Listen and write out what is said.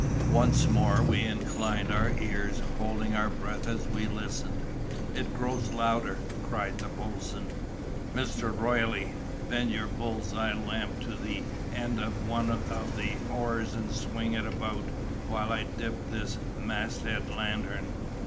Once more we inclined our ears, holding our breath as we listened. "It grows louder!" cried the boatswain. "Mr. Royle, bend your bull's eye lamp to the end o' one o' the oars and swing it about, while I dip this masthead lantern."